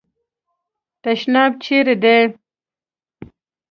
تشناب چیري دی ؟